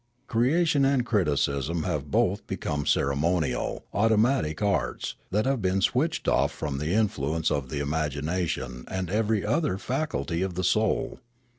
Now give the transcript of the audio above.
Creation and criticism have both become ceremonial, automatic arts, that have been switched off from the influence of the imagination and ever}' other faculty of the soul.